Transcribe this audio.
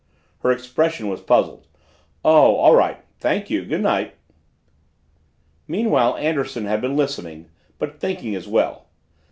Her expression was puzzled. "Oh all right thank you good night " Meanwhile Anderson had been listening but thinking as well.